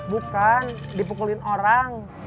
bukan dipukulin orang